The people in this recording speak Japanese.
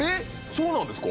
そうなんですか？